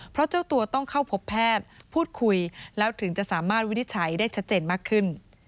เพราะเจ้าตัวต้องเข้าพบแพทย์พูดคุยแล้วถึงจะสามารถวินิจฉัยได้ชัดเจนมากขึ้น